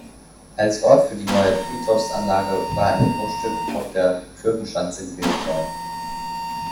Als Ort für die neue Friedhofsanlage war ein Grundstück auf der Türkenschanze gewählt worden.